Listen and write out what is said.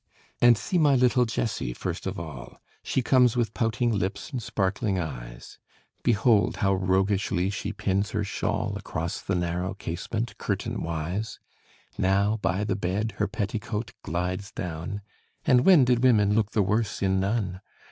And see my little Jessy, first of all; She comes with pouting lips and sparkling eyes: Behold, how roguishly she pins her shawl Across the narrow casement, curtain wise: Now by the bed her petticoat glides down, And when did women look the worse in none?